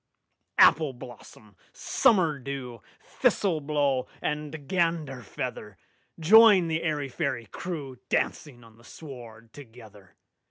Appleblossom, Summerdew, Thistleblow, and Ganderfeather! Join the airy fairy crewDancing on the sward together!